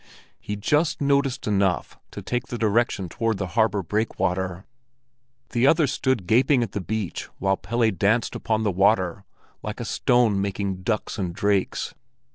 He just noticed enough to take the direction toward the harbor breakwater. The others stood gaping on the beach while Pelle danced upon the water like a stone making ducks and drakes.